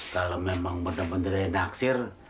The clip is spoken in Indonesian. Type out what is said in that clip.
kalau memang benar benar naksir